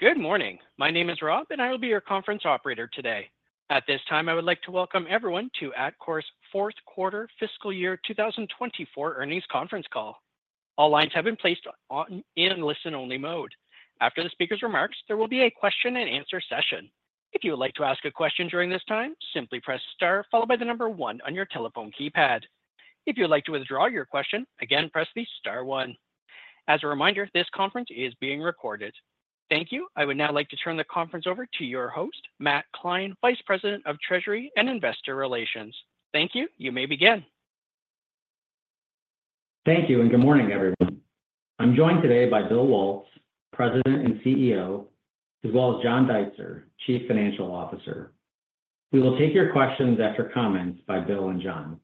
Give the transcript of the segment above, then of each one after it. Good morning. My name is Rob, and I will be your conference operator today. At this time, I would like to Welcome everyone to Atkore's Fourth Quarter Fiscal year 2024 Earnings Conference Call. All lines have been placed in listen-only mode. After the speaker's remarks, there will be a question-and-answer session. If you would like to ask a question during this time, simply press star, followed by the number one on your telephone keypad. If you'd like to withdraw your question, again, press the star one. As a reminder, this conference is being recorded. Thank you. I would now like to turn the conference over to your host, Matt Kline, Vice President of Treasury and Investor Relations. Thank you. You may begin. Thank you, and good morning, everyone. I'm joined today by Bill Waltz, President and CEO, as well as John Deitzer, Chief Financial Officer. We will take your questions after comments by Bill and John.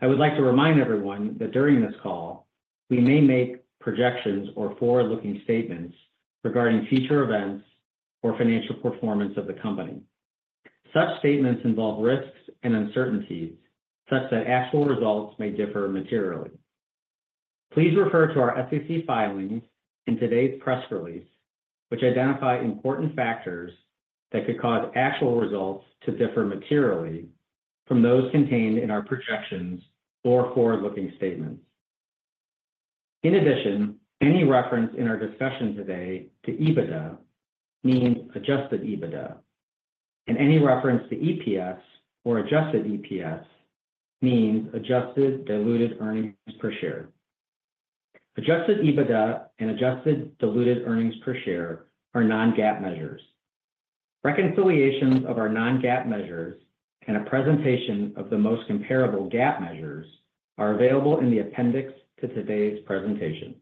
I would like to remind everyone that during this call, we may make projections or forward-looking statements regarding future events or financial performance of the company. Such statements involve risks and uncertainties such that actual results may differ materially. Please refer to our SEC filings and today's press release, which identify important factors that could cause actual results to differ materially from those contained in our projections or forward-looking statements. In addition, any reference in our discussion today to EBITDA means adjusted EBITDA, and any reference to EPS or adjusted EPS means adjusted diluted earnings per share. Adjusted EBITDA and adjusted diluted earnings per share are non-GAAP measures. Reconciliations of our non-GAAP measures and a presentation of the most comparable GAAP measures are available in the appendix to today's presentation.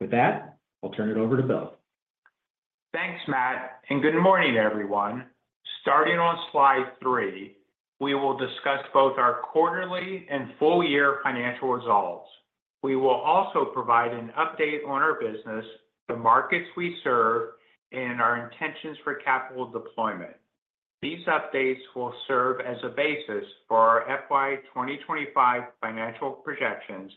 With that, I'll turn it over to Bill. Thanks, Matt, and good morning, everyone. Starting on slide three, we will discuss both our quarterly and full-year financial results. We will also provide an update on our business, the markets we serve, and our intentions for capital deployment. These updates will serve as a basis for our FY 2025 financial projections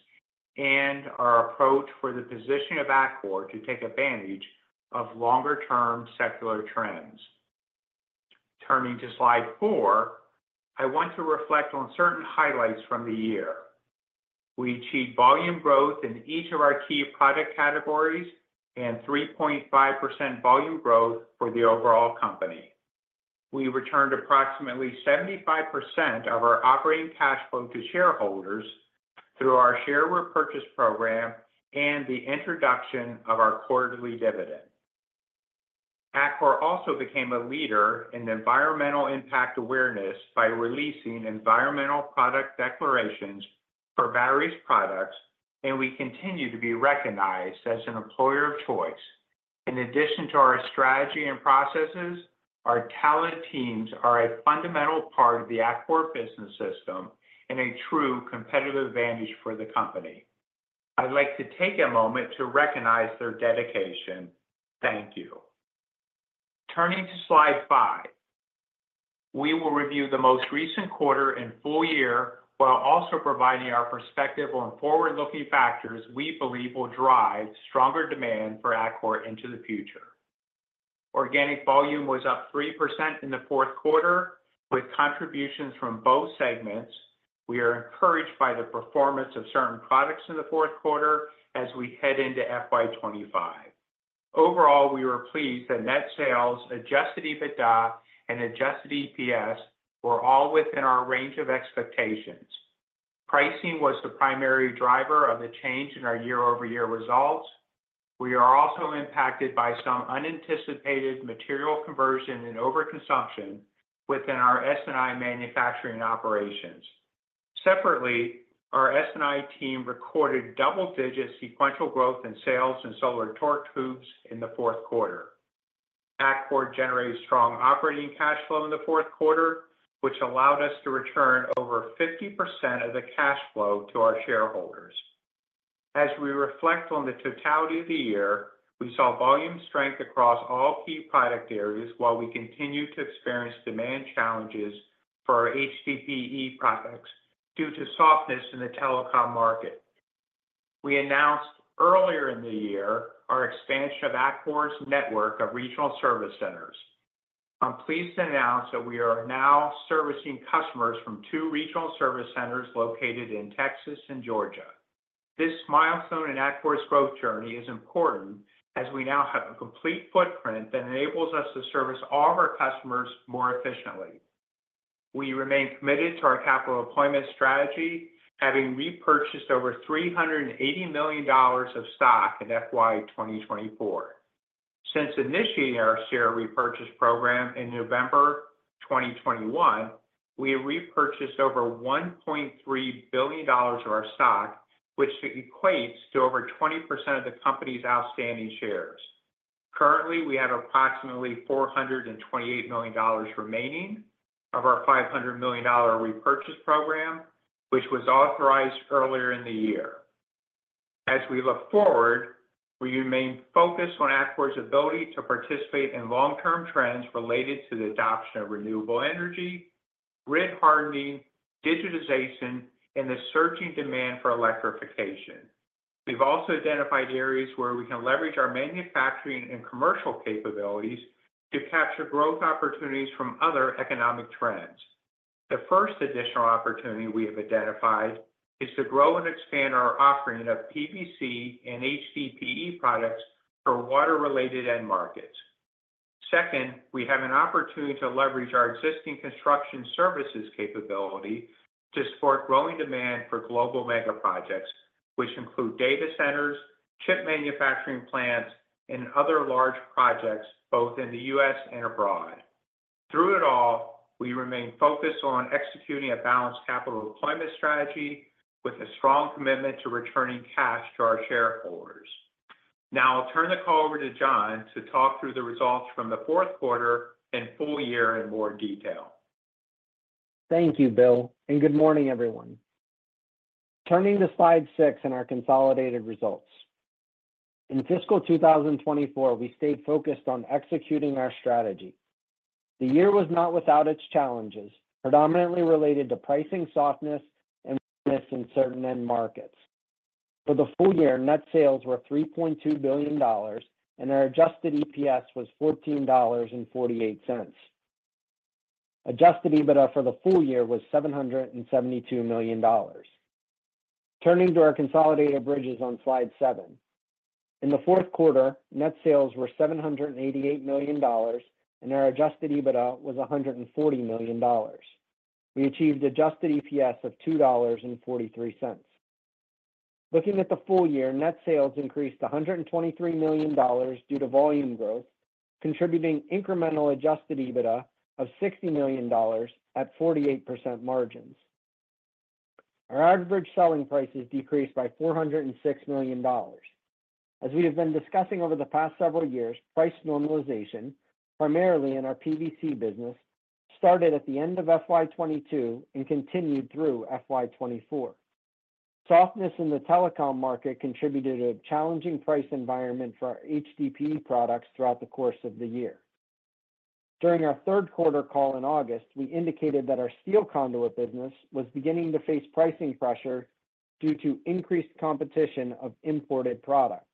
and our approach for the position of Atkore to take advantage of longer-term secular trends. Turning to slide four, I want to reflect on certain highlights from the year. We achieved volume growth in each of our key product categories and 3.5% volume growth for the overall company. We returned approximately 75% of our operating cash flow to shareholders through our share repurchase program and the introduction of our quarterly dividend. Atkore also became a leader in environmental impact awareness by releasing environmental product declarations for various products, and we continue to be recognized as an employer of choice. In addition to our strategy and processes, our talented teams are a fundamental part of the Atkore Business System and a true competitive advantage for the company. I'd like to take a moment to recognize their dedication. Thank you. Turning to slide five, we will review the most recent quarter and full year while also providing our perspective on forward-looking factors we believe will drive stronger demand for Atkore into the future. Organic volume was up 3% in the fourth quarter, with contributions from both segments. We are encouraged by the performance of certain products in the fourth quarter as we head into FY 25. Overall, we were pleased that net sales, Adjusted EBITDA, and Adjusted EPS were all within our range of expectations. Pricing was the primary driver of the change in our year-over-year results. We are also impacted by some unanticipated material conversion and overconsumption within our S&I manufacturing operations. Separately, our S&I team recorded double-digit sequential growth in sales and solar torque tubes in the fourth quarter. Atkore generated strong operating cash flow in the fourth quarter, which allowed us to return over 50% of the cash flow to our shareholders. As we reflect on the totality of the year, we saw volume strength across all key product areas while we continued to experience demand challenges for our HDPE products due to softness in the telecom market. We announced earlier in the year our expansion of Atkore's network of regional service centers. I'm pleased to announce that we are now servicing customers from two regional service centers located in Texas and Georgia. This milestone in Atkore's growth journey is important as we now have a complete footprint that enables us to service all of our customers more efficiently. We remain committed to our capital allocation strategy, having repurchased over $380 million of stock in FY 2024. Since initiating our share repurchase program in November 2021, we have repurchased over $1.3 billion of our stock, which equates to over 20% of the company's outstanding shares. Currently, we have approximately $428 million remaining of our $500 million repurchase program, which was authorized earlier in the year. As we look forward, we remain focused on Atkore's ability to participate in long-term trends related to the adoption of renewable energy, grid hardening, digitization, and the surging demand for electrification. We've also identified areas where we can leverage our manufacturing and commercial capabilities to capture growth opportunities from other economic trends. The first additional opportunity we have identified is to grow and expand our offering of PVC and HDPE products for water-related end markets. Second, we have an opportunity to leverage our existing construction services capability to support growing demand for global mega projects, which include data centers, chip manufacturing plants, and other large projects both in the U.S. and abroad. Through it all, we remain focused on executing a balanced capital allocation strategy with a strong commitment to returning cash to our shareholders. Now, I'll turn the call over to John to talk through the results from the fourth quarter and full year in more detail. Thank you, Bill, and good morning, everyone. Turning to slide six in our consolidated results. In fiscal 2024, we stayed focused on executing our strategy. The year was not without its challenges, predominantly related to pricing softness and weakness in certain end markets. For the full year, net sales were $3.2 billion, and our adjusted EPS was $14.48. Adjusted EBITDA for the full year was $772 million. Turning to our consolidated bridges on slide seven, in the fourth quarter, net sales were $788 million, and our adjusted EBITDA was $140 million. We achieved adjusted EPS of $2.43. Looking at the full year, net sales increased $123 million due to volume growth, contributing incremental adjusted EBITDA of $60 million at 48% margins. Our average selling price has decreased by $406 million. As we have been discussing over the past several years, price normalization, primarily in our PVC business, started at the end of FY 2022 and continued through FY 2024. Softness in the telecom market contributed to a challenging price environment for our HDPE products throughout the course of the year. During our third quarter call in August, we indicated that our steel conduit business was beginning to face pricing pressure due to increased competition of imported product.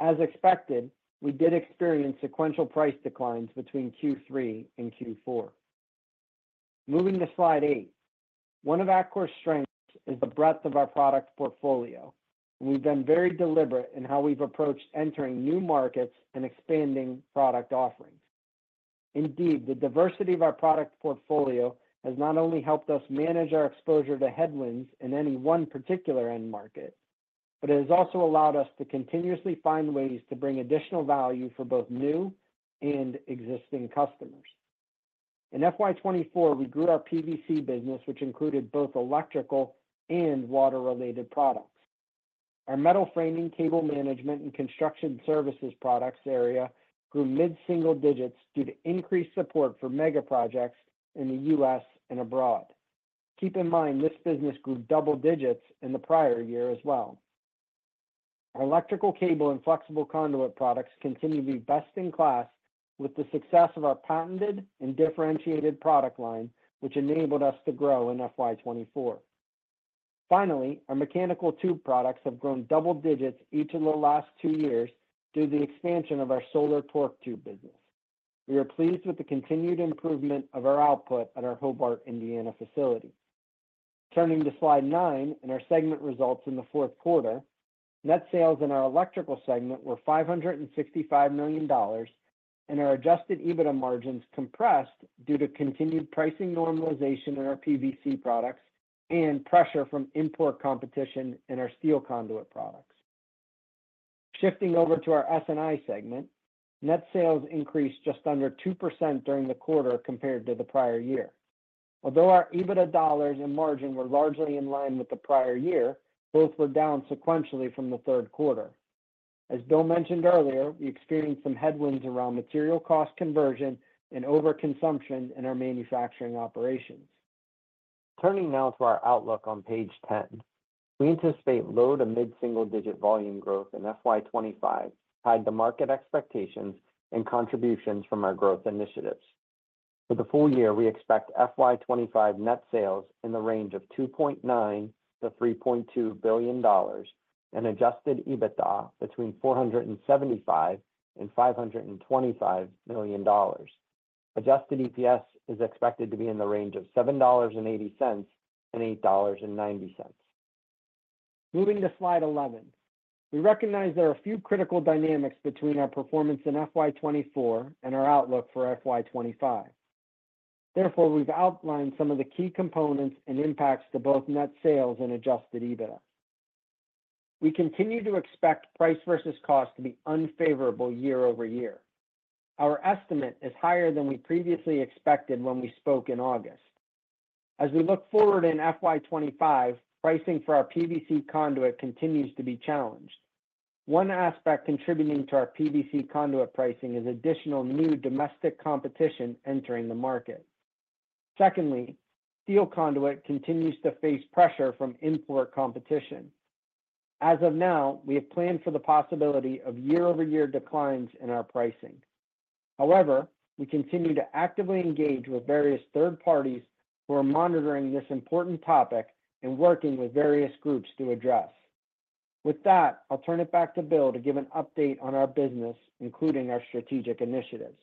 As expected, we did experience sequential price declines between Q3 and Q4. Moving to slide eight, one of Atkore's strengths is the breadth of our product portfolio, and we've been very deliberate in how we've approached entering new markets and expanding product offerings. Indeed, the diversity of our product portfolio has not only helped us manage our exposure to headwinds in any one particular end market, but it has also allowed us to continuously find ways to bring additional value for both new and existing customers. In FY 2024, we grew our PVC business, which included both electrical and water-related products. Our metal framing, cable management, and construction services products area grew mid-single digits due to increased support for mega projects in the U.S. and abroad. Keep in mind, this business grew double digits in the prior year as well. Our electrical cable and flexible conduit products continue to be best in class with the success of our patented and differentiated product line, which enabled us to grow in FY 2024. Finally, our mechanical tube products have grown double digits each of the last two years due to the expansion of our solar torque tube business. We are pleased with the continued improvement of our output at our Hobart, Indiana facility. Turning to slide nine in our segment results in the fourth quarter, net sales in our electrical segment were $565 million, and our Adjusted EBITDA margins compressed due to continued pricing normalization in our PVC products and pressure from import competition in our steel conduit products. Shifting over to our S&I segment, net sales increased just under 2% during the quarter compared to the prior year. Although our EBITDA dollars and margin were largely in line with the prior year, both were down sequentially from the third quarter. As Bill mentioned earlier, we experienced some headwinds around material cost conversion and overconsumption in our manufacturing operations. Turning now to our outlook on page 10, we anticipate low to mid-single digit volume growth in FY 25 tied to market expectations and contributions from our growth initiatives. For the full year, we expect FY 25 net sales in the range of $2.9-$3.2 billion and Adjusted EBITDA between $475 and $525 million. Adjusted EPS is expected to be in the range of $7.80-$8.90. Moving to slide 11, we recognize there are a few critical dynamics between our performance in FY 24 and our outlook for FY 25. Therefore, we've outlined some of the key components and impacts to both net sales and Adjusted EBITDA. We continue to expect price versus cost to be unfavorable year over year. Our estimate is higher than we previously expected when we spoke in August. As we look forward in FY 25, pricing for our PVC conduit continues to be challenged. One aspect contributing to our PVC conduit pricing is additional new domestic competition entering the market. Secondly, steel conduit continues to face pressure from import competition. As of now, we have planned for the possibility of year-over-year declines in our pricing. However, we continue to actively engage with various third parties who are monitoring this important topic and working with various groups to address. With that, I'll turn it back to Bill to give an update on our business, including our strategic initiatives.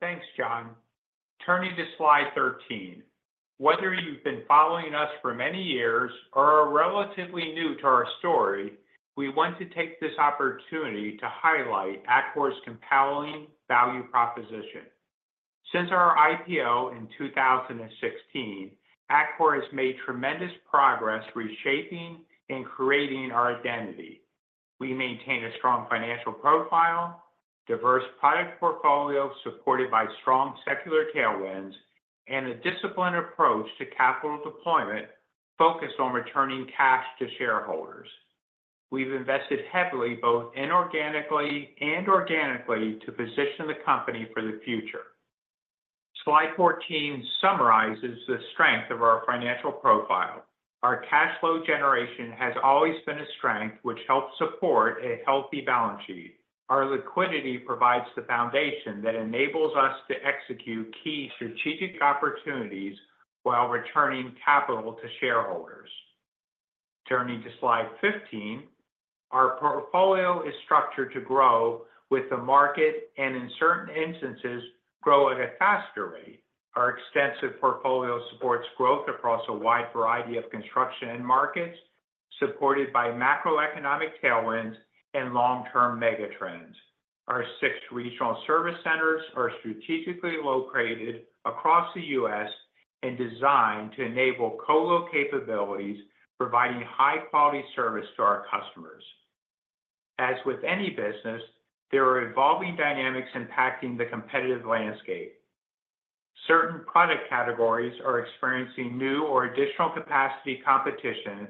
Thanks, John. Turning to slide 13, whether you've been following us for many years or are relatively new to our story, we want to take this opportunity to highlight Atkore's compelling value proposition. Since our IPO in 2016, Atkore has made tremendous progress reshaping and creating our identity. We maintain a strong financial profile, diverse product portfolio supported by strong secular tailwinds, and a disciplined approach to capital deployment focused on returning cash to shareholders. We've invested heavily both inorganically and organically to position the company for the future. Slide 14 summarizes the strength of our financial profile. Our cash flow generation has always been a strength, which helps support a healthy balance sheet. Our liquidity provides the foundation that enables us to execute key strategic opportunities while returning capital to shareholders. Turning to slide 15, our portfolio is structured to grow with the market and, in certain instances, grow at a faster rate. Our extensive portfolio supports growth across a wide variety of construction and markets, supported by macroeconomic tailwinds and long-term mega trends. Our six regional service centers are strategically located across the U.S. and designed to enable co-load capabilities, providing high-quality service to our customers. As with any business, there are evolving dynamics impacting the competitive landscape. Certain product categories are experiencing new or additional capacity competition,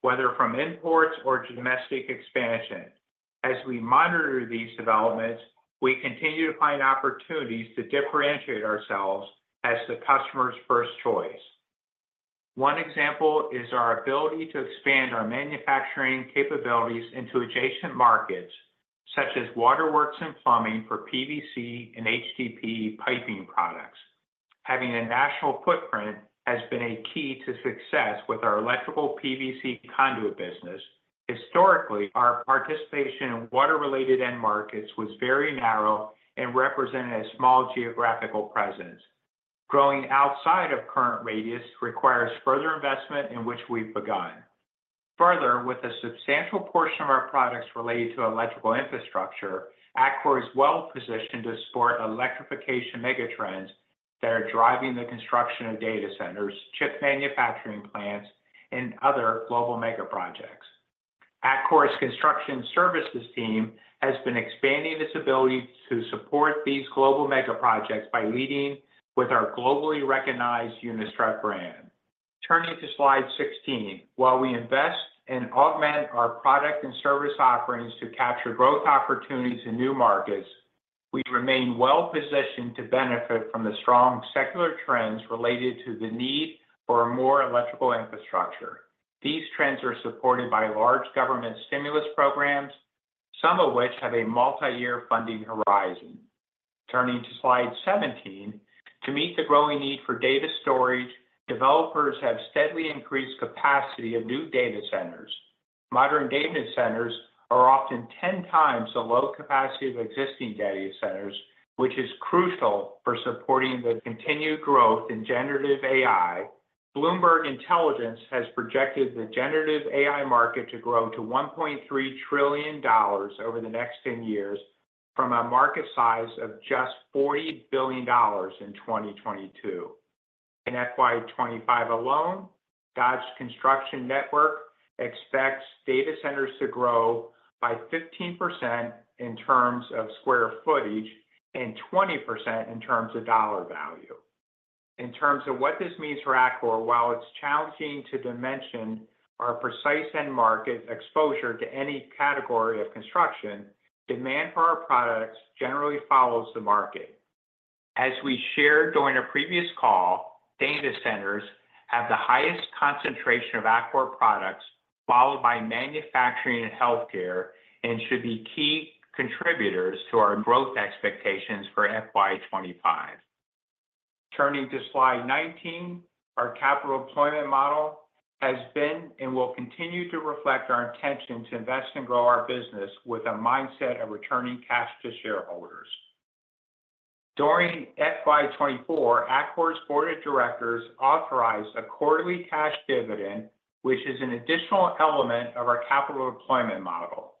whether from imports or domestic expansion. As we monitor these developments, we continue to find opportunities to differentiate ourselves as the customer's first choice. One example is our ability to expand our manufacturing capabilities into adjacent markets, such as waterworks and plumbing for PVC and HDPE piping products. Having a national footprint has been a key to success with our electrical PVC conduit business. Historically, our participation in water-related end markets was very narrow and represented a small geographical presence. Growing outside of current radius requires further investment, in which we've begun. Further, with a substantial portion of our products related to electrical infrastructure, Atkore is well positioned to support electrification mega trends that are driving the construction of data centers, chip manufacturing plants, and other global mega projects. Atkore's construction services team has been expanding its ability to support these global mega projects by leading with our globally recognized Unistrut brand. Turning to slide 16, while we invest and augment our product and service offerings to capture growth opportunities in new markets, we remain well positioned to benefit from the strong secular trends related to the need for more electrical infrastructure. These trends are supported by large government stimulus programs, some of which have a multi-year funding horizon. Turning to slide 17, to meet the growing need for data storage, developers have steadily increased capacity of new data centers. Modern data centers are often 10 times the low capacity of existing data centers, which is crucial for supporting the continued growth in generative AI. Bloomberg Intelligence has projected the generative AI market to grow to $1.3 trillion over the next 10 years from a market size of just $40 billion in 2022. In FY 25 alone, Dodge Construction Network expects data centers to grow by 15% in terms of square footage and 20% in terms of dollar value. In terms of what this means for Atkore, while it's challenging to dimension our precise end market exposure to any category of construction, demand for our products generally follows the market. As we shared during a previous call, data centers have the highest concentration of Atkore products, followed by manufacturing and healthcare, and should be key contributors to our growth expectations for FY 25. Turning to slide 19, our capital allocation model has been and will continue to reflect our intention to invest and grow our business with a mindset of returning cash to shareholders. During FY 24, Atkore's board of directors authorized a quarterly cash dividend, which is an additional element of our capital allocation model.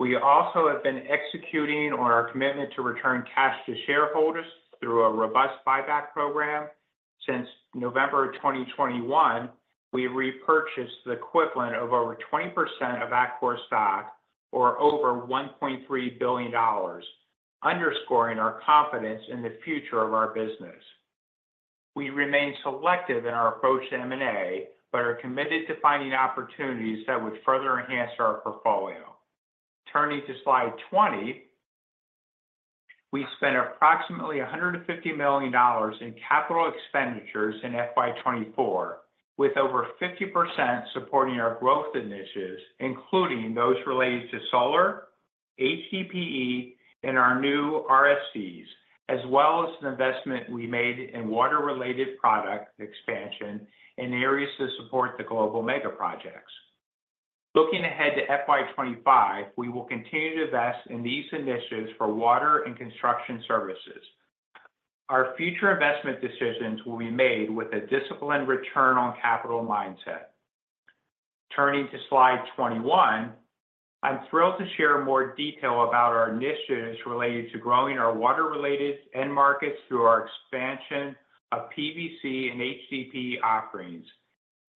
We also have been executing on our commitment to return cash to shareholders through a robust buyback program. Since November 2021, we've repurchased the equivalent of over 20% of Atkore stock, or over $1.3 billion, underscoring our confidence in the future of our business. We remain selective in our approach to M&A, but are committed to finding opportunities that would further enhance our portfolio. Turning to slide 20, we spent approximately $150 million in capital expenditures in FY 2024, with over 50% supporting our growth initiatives, including those related to solar, HDPE, and our new RSCs, as well as the investment we made in water-related product expansion in areas to support the global mega projects. Looking ahead to FY 2025, we will continue to invest in these initiatives for water and construction services. Our future investment decisions will be made with a disciplined return on capital mindset. Turning to slide 21, I'm thrilled to share more detail about our initiatives related to growing our water-related end markets through our expansion of PVC and HDPE offerings.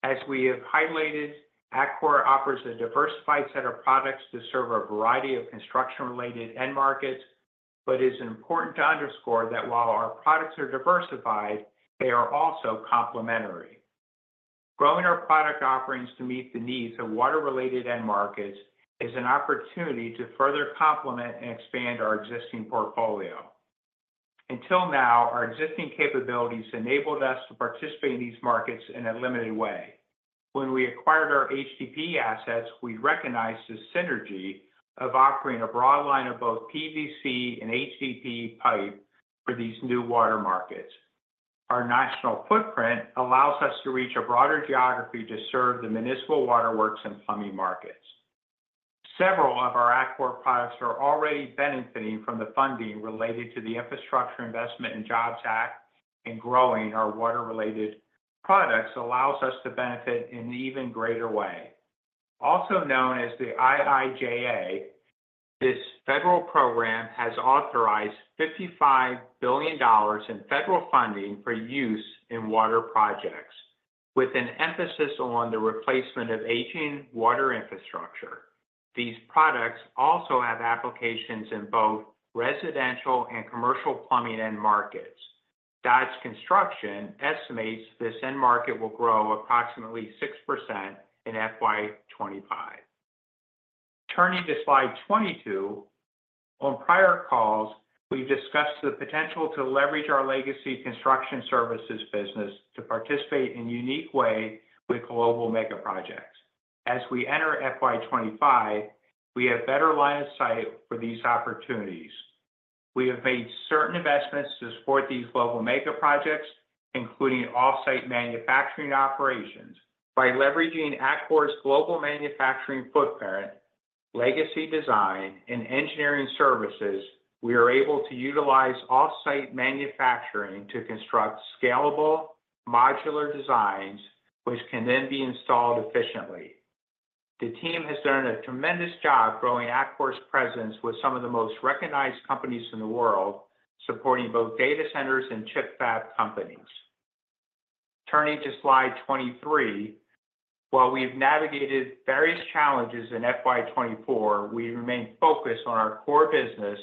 As we have highlighted, Atkore offers a diversified set of products to serve a variety of construction-related end markets, but it is important to underscore that while our products are diversified, they are also complementary. Growing our product offerings to meet the needs of water-related end markets is an opportunity to further complement and expand our existing portfolio. Until now, our existing capabilities enabled us to participate in these markets in a limited way. When we acquired our HDPE assets, we recognized the synergy of offering a broad line of both PVC and HDPE pipe for these new water markets. Our national footprint allows us to reach a broader geography to serve the municipal waterworks and plumbing markets. Several of our Atkore products are already benefiting from the funding related to the Infrastructure Investment and Jobs Act, and growing our water-related products allows us to benefit in an even greater way. Also known as the IIJA, this federal program has authorized $55 billion in federal funding for use in water projects, with an emphasis on the replacement of aging water infrastructure. These products also have applications in both residential and commercial plumbing end markets. Dodge Construction estimates this end market will grow approximately 6% in FY 25. Turning to slide 22, on prior calls, we've discussed the potential to leverage our legacy construction services business to participate in a unique way with global mega projects. As we enter FY 25, we have better line of sight for these opportunities. We have made certain investments to support these global mega projects, including off-site manufacturing operations. By leveraging Atkore's global manufacturing footprint, legacy design, and engineering services, we are able to utilize off-site manufacturing to construct scalable modular designs, which can then be installed efficiently. The team has done a tremendous job growing Atkore's presence with some of the most recognized companies in the world, supporting both data centers and chip fab companies. Turning to slide 23, while we've navigated various challenges in FY 24, we remain focused on our core business,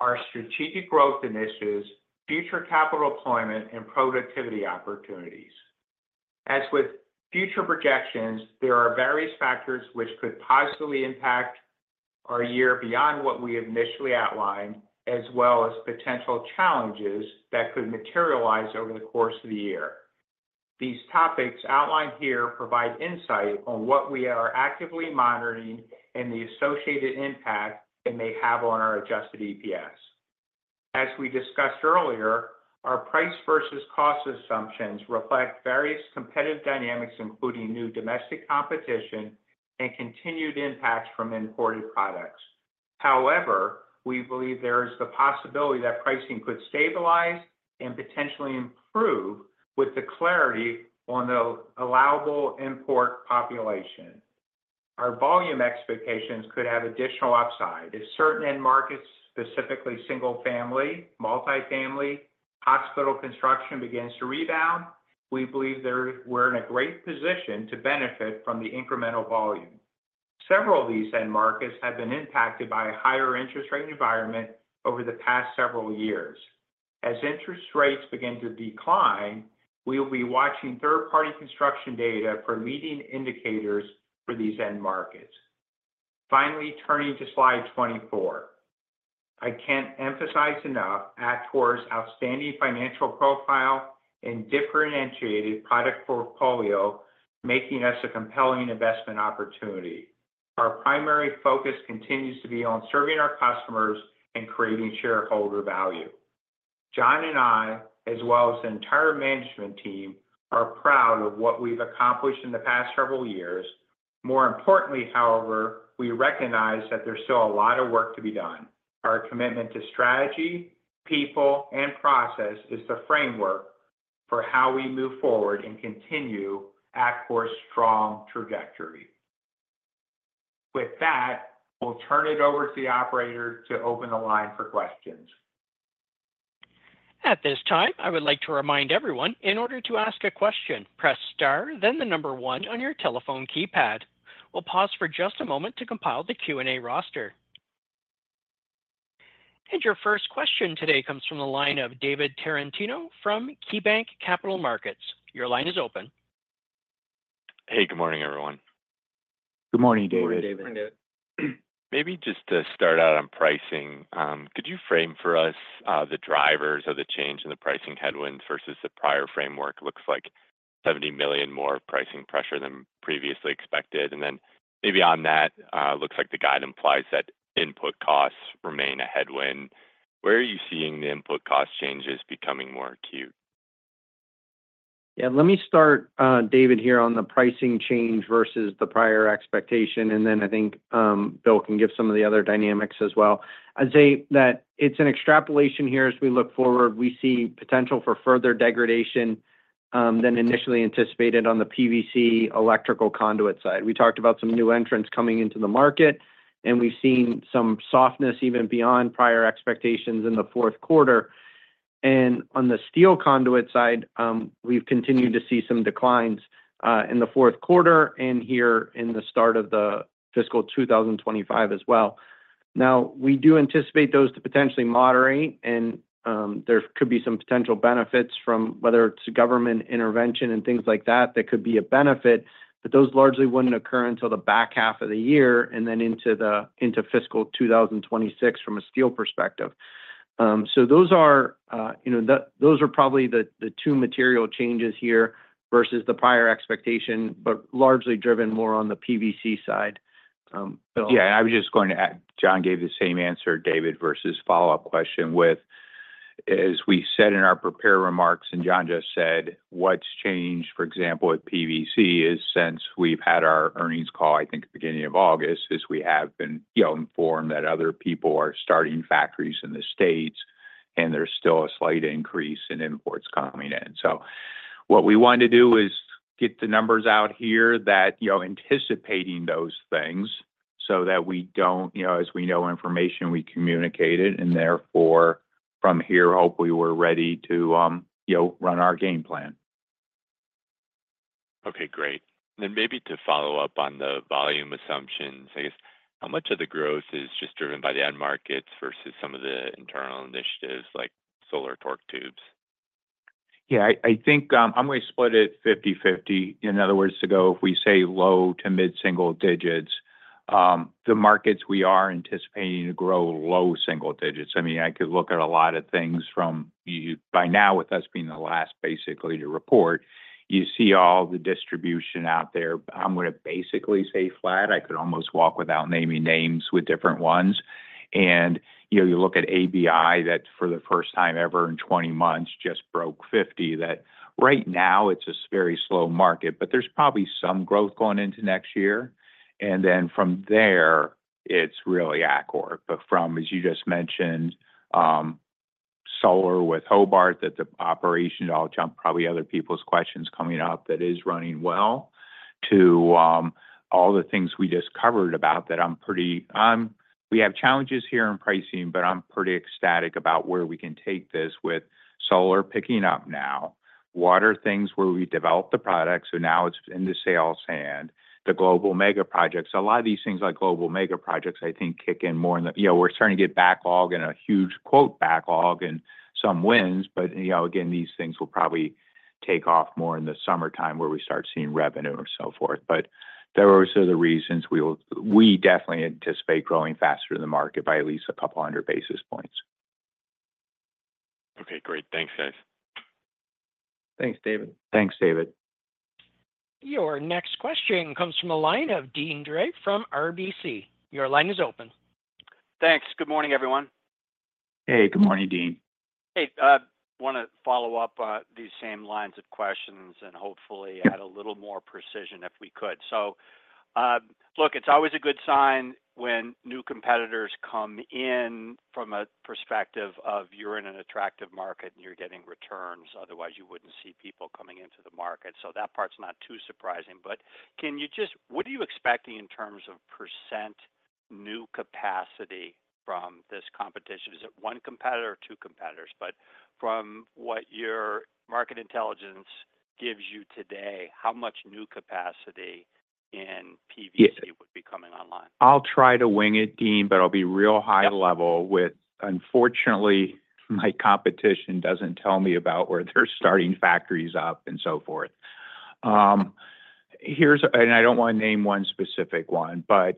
our strategic growth initiatives, future capital allocation, and productivity opportunities. As with future projections, there are various factors which could positively impact our year beyond what we have initially outlined, as well as potential challenges that could materialize over the course of the year. These topics outlined here provide insight on what we are actively monitoring and the associated impact it may have on our adjusted EPS. As we discussed earlier, our price versus cost assumptions reflect various competitive dynamics, including new domestic competition and continued impacts from imported products. However, we believe there is the possibility that pricing could stabilize and potentially improve with the clarity on the allowable import population. Our volume expectations could have additional upside. If certain end markets, specifically single-family, multi-family, hospital construction, begin to rebound, we believe we're in a great position to benefit from the incremental volume. Several of these end markets have been impacted by a higher interest rate environment over the past several years. As interest rates begin to decline, we will be watching third-party construction data for leading indicators for these end markets. Finally, turning to slide 24, I can't emphasize enough Atkore's outstanding financial profile and differentiated product portfolio, making us a compelling investment opportunity. Our primary focus continues to be on serving our customers and creating shareholder value. John and I, as well as the entire management team, are proud of what we've accomplished in the past several years. More importantly, however, we recognize that there's still a lot of work to be done. Our commitment to strategy, people, and process is the framework for how we move forward and continue Atkore's strong trajectory. With that, we'll turn it over to the operator to open the line for questions. At this time, I would like to remind everyone, in order to ask a question, press star, then the number one on your telephone keypad. We'll pause for just a moment to compile the Q&A roster. Your first question today comes from the line of David Tarantino from KeyBank Capital Markets. Your line is open. Hey, good morning, everyone. Good morning, David. Good morning, David. Maybe just to start out on pricing, could you frame for us the drivers of the change in the pricing headwinds versus the prior framework? It looks like $70 million more pricing pressure than previously expected. And then maybe on that, it looks like the guide implies that input costs remain a headwind. Where are you seeing the input cost changes becoming more acute? Yeah, let me start, David, here on the pricing change versus the prior expectation. And then I think Bill can give some of the other dynamics as well. I'd say that it's an extrapolation here. As we look forward, we see potential for further degradation than initially anticipated on the PVC electrical conduit side. We talked about some new entrants coming into the market, and we've seen some softness even beyond prior expectations in the fourth quarter. And on the steel conduit side, we've continued to see some declines in the fourth quarter and here in the start of the fiscal 2025 as well. Now, we do anticipate those to potentially moderate, and there could be some potential benefits from whether it's government intervention and things like that that could be a benefit. But those largely wouldn't occur until the back half of the year and then into fiscal 2026 from a steel perspective. So those are probably the two material changes here versus the prior expectation, but largely driven more on the PVC side. Yeah, I was just going to add. John gave the same answer, David, to your follow-up question with, as we said in our prepared remarks, and John just said, what's changed, for example, with PVC is since we've had our earnings call, I think at the beginning of August, is we have been informed that other people are starting factories in the States, and there's still a slight increase in imports coming in. So what we wanted to do is get the numbers out here that anticipating those things so that we don't, as we know, information we communicate it, and therefore from here, hopefully, we're ready to run our game plan. Okay, great. And then maybe to follow up on the volume assumptions, I guess, how much of the growth is just driven by the end markets versus some of the internal initiatives like solar torque tubes? Yeah, I think I'm going to split it 50/50. In other words, to go, if we say low to mid-single digits, the markets we are anticipating to grow low single digits. I mean, I could look at a lot of things from by now, with us being the last basically to report, you see all the distribution out there. I'm going to basically say flat. I could almost walk without naming names with different ones. And you look at ABI, that for the first time ever in 20 months just broke 50. Right now, it's a very slow market, but there's probably some growth going into next year. And then from there, it's really Atkore. But from, as you just mentioned, solar with Hobart, that the operations all jump. Probably other people's questions coming up that is running well to all the things we just covered about that. I'm pretty we have challenges here in pricing, but I'm pretty ecstatic about where we can take this with solar picking up now. Water things where we develop the products. So now it's in the sales hand, the global mega projects. A lot of these things like global mega projects, I think, kick in more in the we're starting to get backlog and a huge quote backlog and some wins. But again, these things will probably take off more in the summertime where we start seeing revenue and so forth. But those are the reasons we definitely anticipate growing faster in the market by at least a couple hundred basis points. Okay, great. Thanks, guys. Thanks, David. Thanks, David. Your next question comes from the line of Deane Dray from RBC. Your line is open. Thanks. Good morning, everyone. Hey, good morning, Deane. Hey, I want to follow up these same lines of questions and hopefully add a little more precision if we could. So look, it's always a good sign when new competitors come in from a perspective of you're in an attractive market and you're getting returns. Otherwise, you wouldn't see people coming into the market. So that part's not too surprising. But can you just, what are you expecting in terms of percent new capacity from this competition? Is it one competitor or two competitors? But from what your market intelligence gives you today, how much new capacity in PVC would be coming online? I'll try to wing it, Deane, but I'll be real high level with, unfortunately, my competition doesn't tell me about where they're starting factories up and so forth. And I don't want to name one specific one, but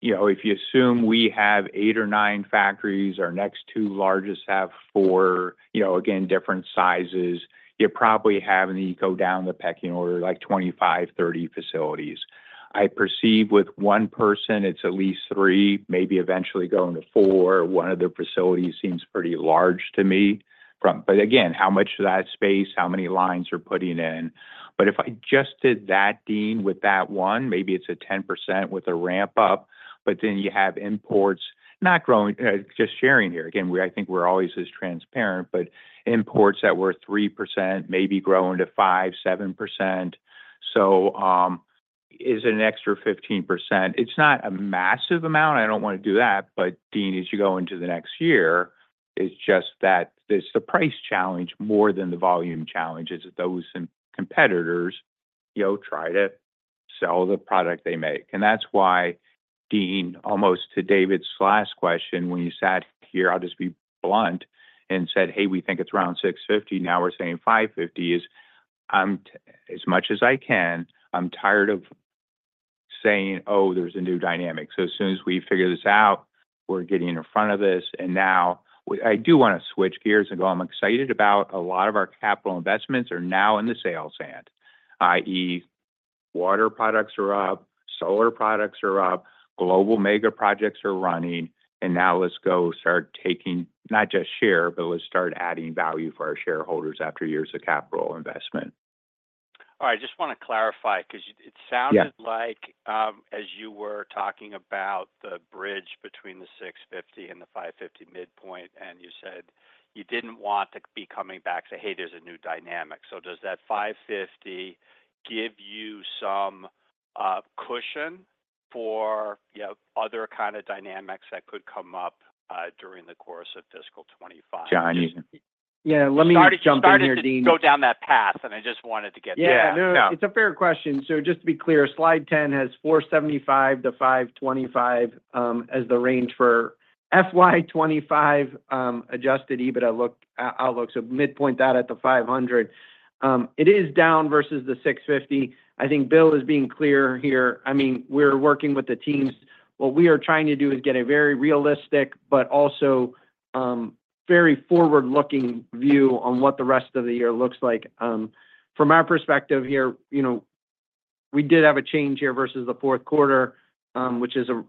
if you assume we have eight or nine factories, our next two largest have four, again, different sizes. You're probably, if you go down the pecking order, like 25-30 facilities. I perceive with one player, it's at least three, maybe eventually going to four. One of the facilities seems pretty large to me. But again, how much of that space, how many lines you're putting in. But if I just did that, Deane, with that one, maybe it's a 10% with a ramp up, but then you have imports not growing, just sharing here. Again, I think we're always as transparent, but imports that were 3% maybe growing to 5%-7%. So is it an extra 15%? It's not a massive amount. I don't want to do that. But, Deane, as you go into the next year, it's just that it's the price challenge more than the volume challenge is that those competitors try to sell the product they make. And that's why, Deane, almost to David's last question, when you sat here, I'll just be blunt and said, "Hey, we think it's around 650. Now we're saying 550 is as much as I can. I'm tired of saying, 'Oh, there's a new dynamic.' So as soon as we figure this out, we're getting in front of this, and now I do want to switch gears and go, 'I'm excited about a lot of our capital investments are now in the sales hand, i.e., water products are up, solar products are up, global mega projects are running, and now let's go start taking not just share, but let's start adding value for our shareholders after years of capital investment.' " All right. I just want to clarify because it sounded like, as you were talking about the bridge between the 650 and the 550 midpoint, and you said you didn't want to be coming back and say, "Hey, there's a new dynamic." So, does that 550 give you some cushion for other kinds of dynamics that could come up during the course of fiscal 2025? John, you can start it. Yeah, let me jump in here, Deane. Go down that path, and I just wanted to get to that. Yeah, no, it's a fair question. So just to be clear, slide 10 has 475-525 as the range for FY 2025 Adjusted EBITDA outlook. So midpoint that at the 500. It is down versus the 650. I think Bill is being clear here. I mean, we're working with the teams. What we are trying to do is get a very realistic but also very forward-looking view on what the rest of the year looks like. From our perspective here, we did have a change here versus the fourth quarter, which is a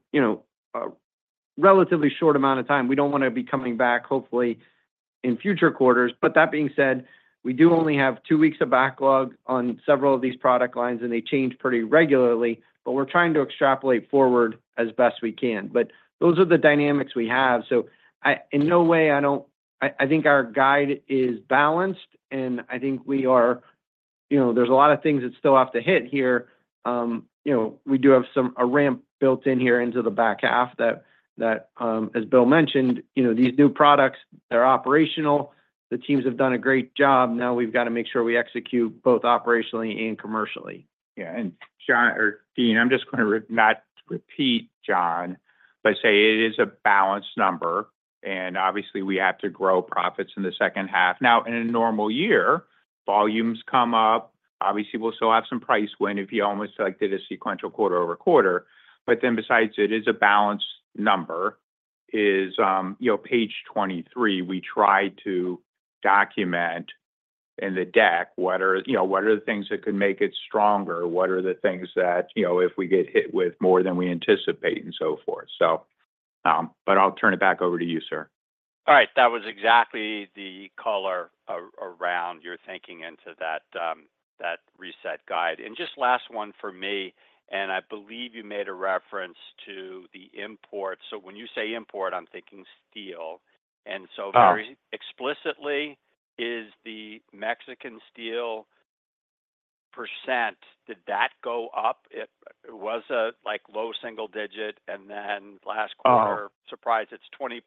relatively short amount of time. We don't want to be coming back, hopefully, in future quarters. But that being said, we do only have two weeks of backlog on several of these product lines, and they change pretty regularly. But we're trying to extrapolate forward as best we can. But those are the dynamics we have. So in no way I think our guide is balanced, and I think we are. There's a lot of things that still have to hit here. We do have a ramp built in here into the back half that, as Bill mentioned, these new products, they're operational. The teams have done a great job. Now we've got to make sure we execute both operationally and commercially. Yeah. And John or Deane, I'm just going to not repeat John, but say it is a balanced number. And obviously, we have to grow profits in the second half. Now, in a normal year, volumes come up. Obviously, we'll still have some price win if you almost did a sequential quarter over quarter. But then besides, it is a balanced number. Page 23, we try to document in the deck what are the things that could make it stronger. What are the things that if we get hit with more than we anticipate and so forth? But I'll turn it back over to you, sir. All right. That was exactly the color around your thinking into that reset guide. And just last one for me, and I believe you made a reference to the import. So when you say import, I'm thinking steel. And so very explicitly, is the Mexican steel percent? Did that go up? It was low single digit. And then last quarter, surprise, it's 20%.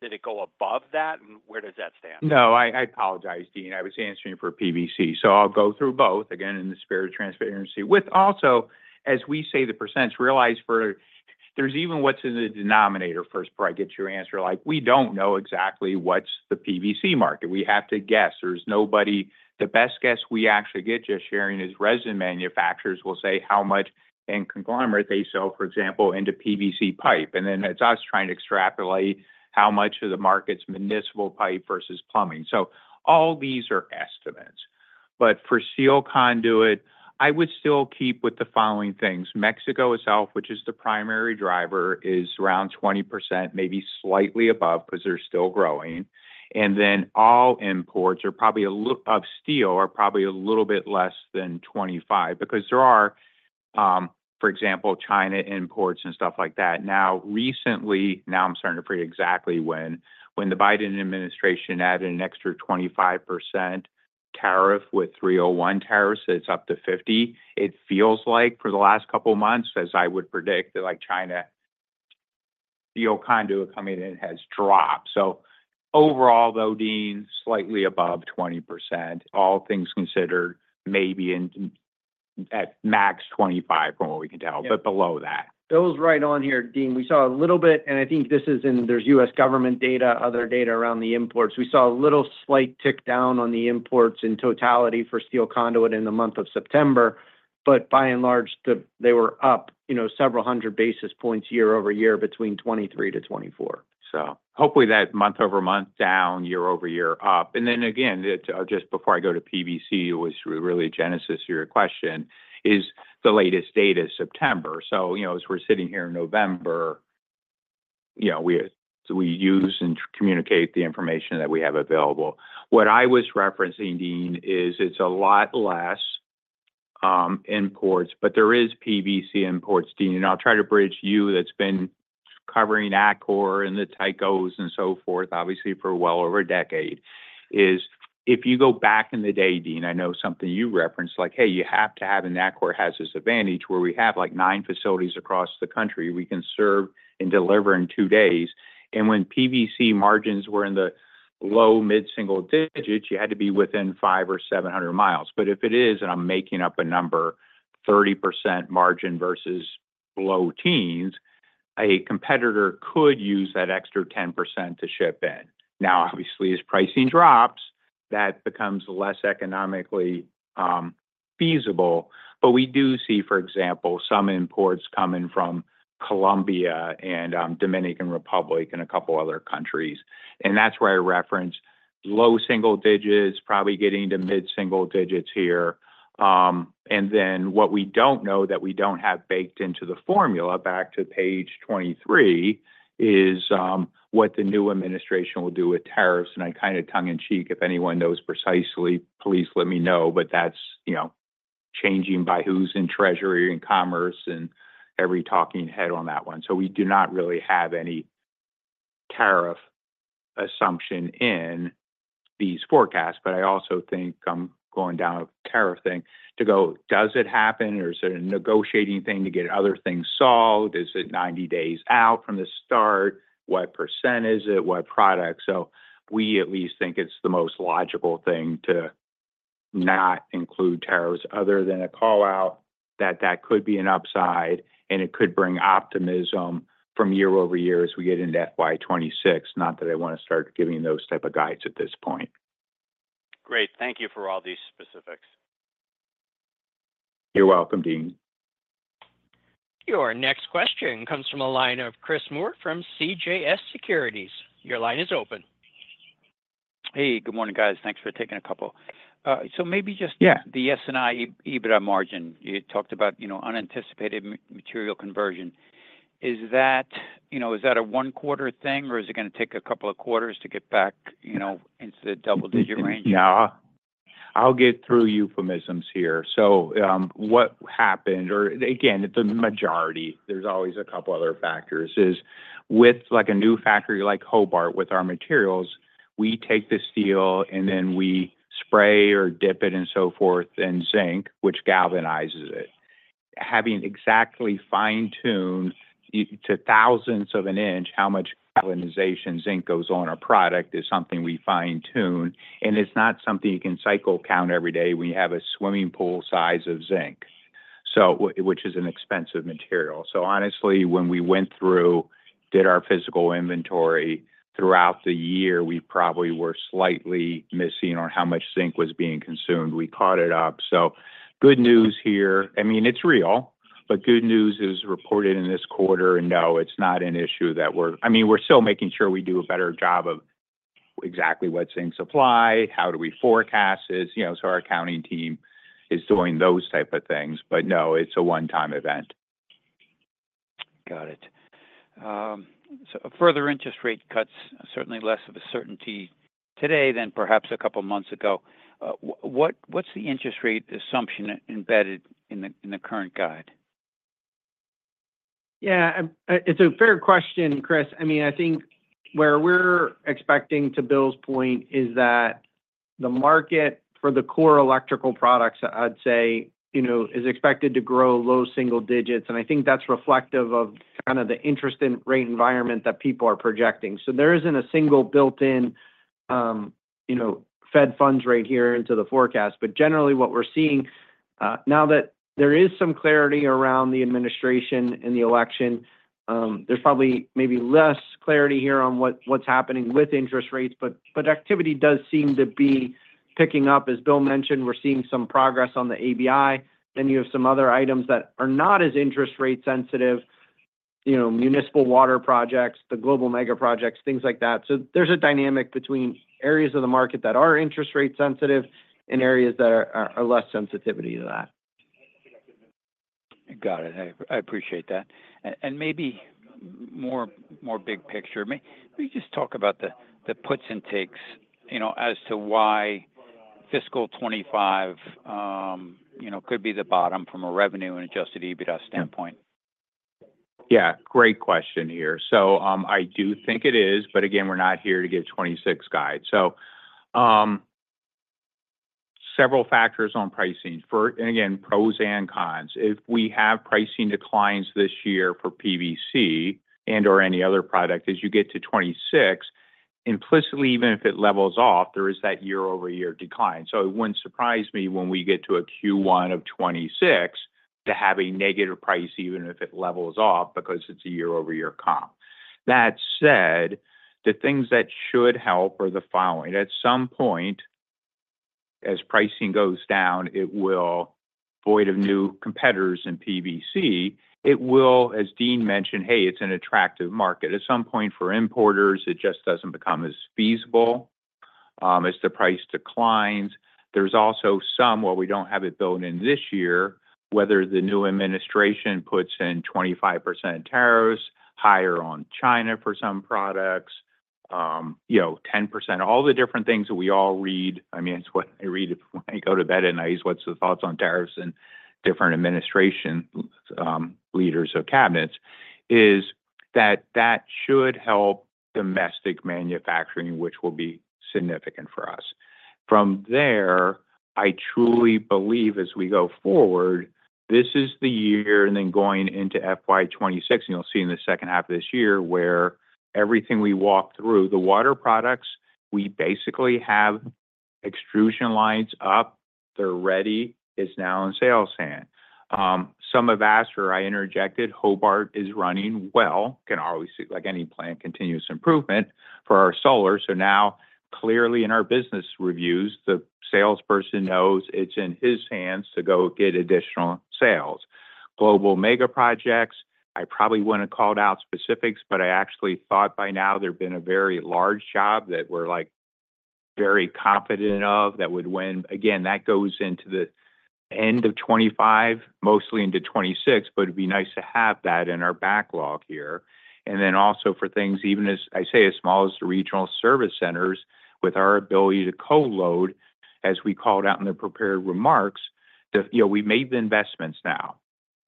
Did it go above that? And where does that stand? No, I apologize, Deane. I was answering for PVC. So I'll go through both again in the spirit of transparency. With also, as we say the percents, realize for there's even what's in the denominator first before I get your answer. We don't know exactly what's the PVC market. We have to guess. There's nobody the best guess we actually get just sharing is resin manufacturers will say how much in aggregate they sell, for example, into PVC pipe. And then it's us trying to extrapolate how much of the market's municipal pipe versus plumbing. So all these are estimates. But for steel conduit, I would still keep with the following things. Mexico itself, which is the primary driver, is around 20%, maybe slightly above because they're still growing. And then all imports of steel are probably a little bit less than 25% because there are, for example, China imports and stuff like that. Now, recently, now I'm starting to forget exactly when the Biden administration added an extra 25% tariff with 301 tariffs. It's up to 50%. It feels like for the last couple of months, as I would predict, that China steel conduit coming in has dropped. So overall, though, Deane, slightly above 20%, all things considered, maybe at max 25% from what we can tell, but below that. Bill's right on here, Deane. We saw a little bit, and I think this is in. There's U.S. government data, other data around the imports. We saw a little slight tick down on the imports in totality for steel conduit in the month of September. But by and large, they were up several hundred basis points year over year between 2023 to 2024. So hopefully that month over month down, year over year up. And then again, just before I go to PVC, it was really a genesis of your question, is the latest data September. So as we're sitting here in November, we use and communicate the information that we have available. What I was referencing, Deane, is it's a lot less imports, but there is PVC imports, Deane. And I'll try to bridge you that's been covering Atkore and the Tyco's and so forth, obviously, for well over a decade. If you go back in the day, Deane, I know something you referenced, like, "Hey, you have to have an Atkore has a advantage where we have nine facilities across the country. We can serve and deliver in two days." And when PVC margins were in the low mid-single digits, you had to be within five or seven hundred miles. But if it is, and I'm making up a number, 30% margin versus low teens, a competitor could use that extra 10% to ship in. Now, obviously, as pricing drops, that becomes less economically feasible. But we do see, for example, some imports coming from Colombia and Dominican Republic and a couple of other countries. And that's where I reference low single digits, probably getting to mid-single digits here. And then what we don't know that we don't have baked into the formula back to page 23 is what the new administration will do with tariffs. And I'm kind of tongue-in-cheek. If anyone knows precisely, please let me know. But that's changing by who's in treasury and commerce and every talking head on that one. So we do not really have any tariff assumption in these forecasts. But I also think I'm going down a tariff thing to go, does it happen? Or is it a negotiating thing to get other things solved? Is it 90 days out from the start? What percent is it? What product? So we at least think it's the most logical thing to not include tariffs other than a callout that that could be an upside and it could bring optimism from year over year as we get into FY 26. Not that I want to start giving those type of guides at this point. Great. Thank you for all these specifics. You're welcome, Deane. Your next question comes from a line of Chris Moore from CJS Securities. Your line is open. Hey, good morning, guys. Thanks for taking a couple. So maybe just the S&I EBITDA margin, you talked about unanticipated material conversion. Is that a one-quarter thing, or is it going to take a couple of quarters to get back into the double-digit range? Yeah. I'll get through euphemisms here. So what happened, or again, the majority, there's always a couple other factors, is with a new factory like Hobart with our materials, we take the steel and then we spray or dip it and so forth in zinc, which galvanizes it. Having exactly fine-tuned to thousandths of an inch how much galvanization zinc goes on a product is something we fine-tune. And it's not something you can cycle count every day when you have a swimming pool size of zinc, which is an expensive material. So honestly, when we went through, did our physical inventory throughout the year, we probably were slightly missing on how much zinc was being consumed. We caught it up. So good news here. I mean, it's real. But good news is reported in this quarter. And no, it's not an issue that we're. I mean, we're still making sure we do a better job of exactly what? Zinc supply. How do we forecast it? So our accounting team is doing those type of things. But no, it's a one-time event. Got it. So further interest rate cuts, certainly less of a certainty today than perhaps a couple of months ago. What's the interest rate assumption embedded in the current guide? Yeah. It's a fair question, Chris. I mean, I think where we're expecting to. Bill's point is that the market for the core electrical products, I'd say, is expected to grow low single digits. And I think that's reflective of kind of the interest rate environment that people are projecting. So there isn't a single built-in Fed funds rate here into the forecast. But generally, what we're seeing, now that there is some clarity around the administration and the election, there's probably maybe less clarity here on what's happening with interest rates. But activity does seem to be picking up. As Bill mentioned, we're seeing some progress on the ABI. Then you have some other items that are not as interest rate sensitive: municipal water projects, the global mega projects, things like that. So there's a dynamic between areas of the market that are interest rate sensitive and areas that are less sensitivity to that. Got it. I appreciate that. And maybe more big picture, maybe just talk about the puts and takes as to why fiscal 25 could be the bottom from a revenue and Adjusted EBITDA standpoint. Yeah. Great question here. So I do think it is. But again, we're not here to give 2026 guidance. So several factors on pricing. And again, pros and cons. If we have pricing declines this year for PVC and/or any other product, as you get to 2026, implicitly, even if it levels off, there is that year-over-year decline. So it wouldn't surprise me when we get to a Q1 of 2026 to have a negative price, even if it levels off, because it's a year-over-year comp. That said, the things that should help are the following. At some point, as pricing goes down, it will avoid new competitors in PVC. It will, as Dean mentioned, hey, it's an attractive market. At some point for importers, it just doesn't become as feasible as the price declines. There's also some, while we don't have it built in this year, whether the new administration puts in 25% tariffs, higher on China for some products, 10%, all the different things that we all read. I mean, it's what I read when I go to bed and news. What's the thoughts on tariffs and different administration leaders or cabinets is that that should help domestic manufacturing, which will be significant for us. From there, I truly believe as we go forward, this is the year and then going into FY 26, and you'll see in the second half of this year where everything we walked through, the water products, we basically have extrusion lines up. They're ready. It's now in sales hand. Some have asked or I interjected. Hobart is running well. Can always see any planned continuous improvement for our solar. So now, clearly in our business reviews, the salesperson knows it's in his hands to go get additional sales. Global mega projects, I probably wouldn't have called out specifics, but I actually thought by now there'd been a very large job that we're very confident of that would win. Again, that goes into the end of 2025, mostly into 2026, but it'd be nice to have that in our backlog here. And then also for things, even as I say, as small as the regional service centers with our ability to co-load, as we called out in the prepared remarks, we made the investments now.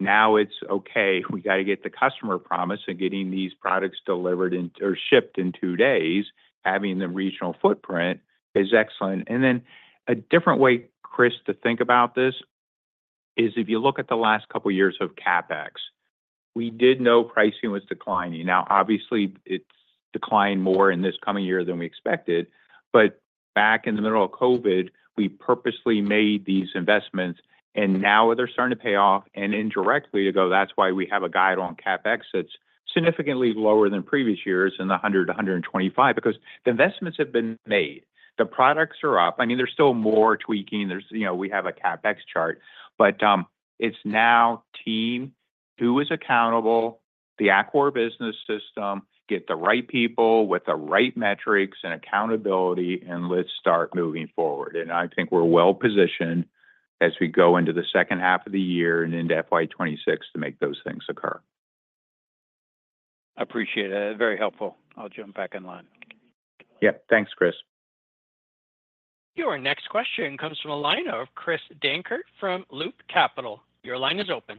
Now it's okay. We got to get the customer promise and getting these products delivered or shipped in two days, having the regional footprint is excellent. Then a different way, Chris, to think about this is if you look at the last couple of years of CapEx, we did know pricing was declining. Now, obviously, it's declined more in this coming year than we expected. But back in the middle of COVID, we purposely made these investments. Now they're starting to pay off. Indirectly, to go, that's why we have a guide on CapEx that's significantly lower than previous years in the $100 million-$125 million because the investments have been made. The products are up. I mean, there's still more tweaking. We have a CapEx chart. But it's now, team, who is accountable, the Atkore Business System, get the right people with the right metrics and accountability, and let's start moving forward. I think we're well positioned as we go into the second half of the year and into FY 26 to make those things occur. I appreciate it. Very helpful. I'll jump back in line. Yeah. Thanks, Chris. Your next question comes from a line of Chris Dankert from Loop Capital. Your line is open.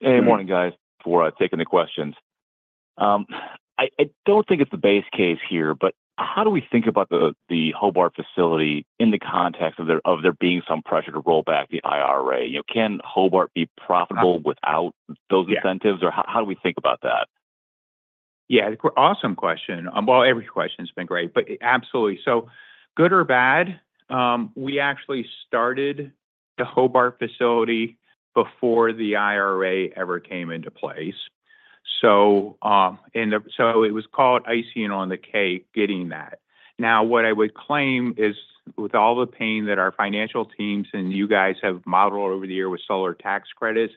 Hey, good morning, guys. Thanks for taking the questions. I don't think it's the base case here, but how do we think about the Hobart facility in the context of there being some pressure to roll back the IRA? Can Hobart be profitable without those incentives, or how do we think about that? Yeah. Awesome question. Every question has been great, but absolutely. So good or bad, we actually started the Hobart facility before the IRA ever came into place. So it was called icing on the cake, getting that. Now, what I would claim is with all the pain that our financial teams and you guys have modeled over the year with solar tax credits,